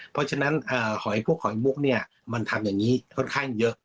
เพราะฉะนั้นหอยพวกหอยมุกเนี่ยมันทำอย่างนี้ค่อนข้างเยอะ